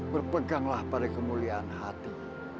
berpeganglah pada kemuliaan hati